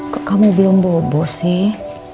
kok kamu belum bobo sih